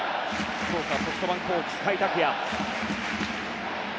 福岡ソフトバンクホークス甲斐拓也。